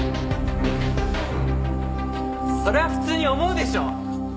それは普通に思うでしょ？